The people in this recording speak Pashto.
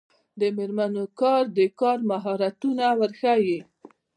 د میرمنو کار د کار مهارتونه ورښيي.